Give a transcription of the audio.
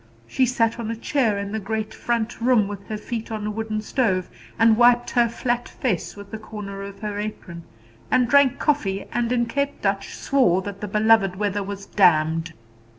She sat on a chair in the great front room, with her feet on a wooden stove, and wiped her flat face with the corner of her apron, and drank coffee, and in Cape Dutch swore that the beloved weather was damned.